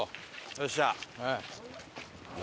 よっしゃ！